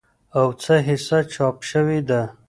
او څه حصه چاپ شوې ده